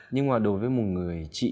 nhưng mà đối với một người chị